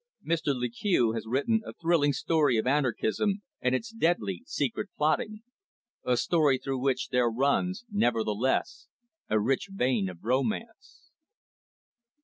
Mr Le Queux has written a thrilling story of anarchism and its deadly secret plotting, a story through which there runs, nevertheless, a rich vein of romance.